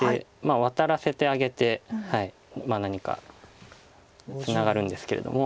ワタらせてあげて何かツナがるんですけれども。